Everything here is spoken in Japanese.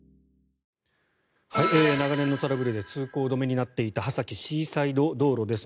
長年のトラブルで通行止めになっていた波崎シーサイド道路です。